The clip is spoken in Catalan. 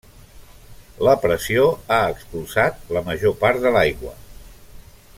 La pressió ha expulsat la major part de l'aigua.